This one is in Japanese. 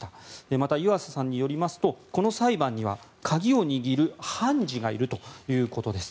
また、湯浅さんによりますとこの裁判には鍵を握る判事がいるということです。